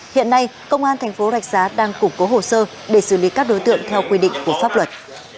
hiện nay công an thành phố rạch giá đang củng cố hồ sơ để xử lý các đối tượng theo quy định của pháp luật